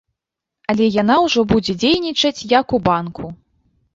Але яна ўжо будзе дзейнічаць, як у банку.